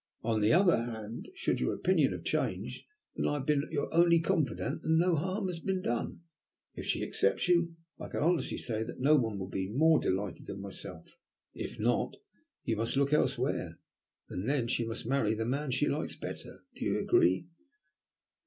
On the other hand, should your opinion have changed, then I have been your only confidant, and no harm has been done. If she accepts you, I can honestly say that no one will be more delighted than myself. If not, you must look elsewhere, and then she must marry the man she likes better. Do you agree?"